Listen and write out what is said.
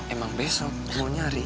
emang besok mau nyari